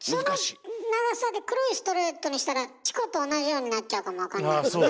その長さで黒いストレートにしたらチコと同じようになっちゃうかも分かんないもんね。